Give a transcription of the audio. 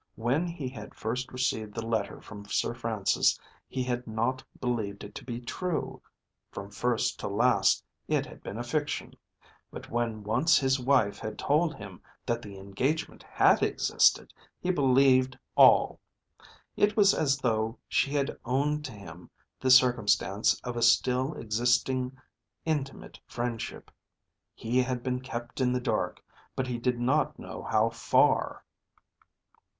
When he had first received the letter from Sir Francis he had not believed it to be true; from first to last it had been a fiction. But when once his wife had told him that the engagement had existed, he believed all. It was as though she had owned to him the circumstance of a still existing intimate friendship. He had been kept in the dark, but he did not know how far.